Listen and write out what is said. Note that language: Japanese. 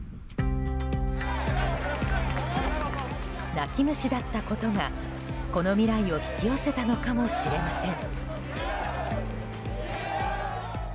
泣き虫だったことがこの未来を引き寄せたのかもしれません。